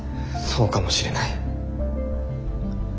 そうかもしれない。